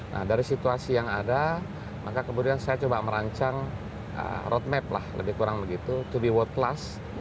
nah dari situasi yang ada maka kemudian saya coba merancang roadmap lah lebih kurang begitu to be world class